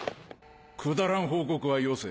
くだらん報告はよせ。